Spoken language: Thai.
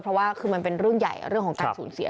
เพราะว่าคือมันเป็นเรื่องใหญ่เรื่องของการสูญเสีย